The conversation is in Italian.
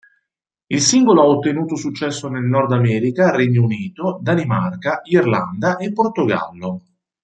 Il singolo ha ottenuto successo nel Nord America, Regno Unito, Danimarca, Irlanda e Portogallo.